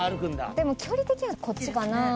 でも距離的にはこっちかな。